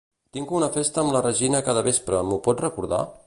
Tinc una festa amb la Regina cada vespre, m'ho pots recordar?